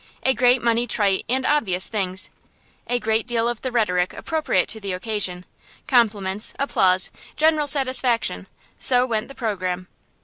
A great many trite and obvious things, a great deal of the rhetoric appropriate to the occasion, compliments, applause, general satisfaction; so went the programme.